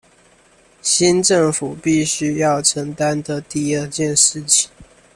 新政府必須要承擔的第二件事情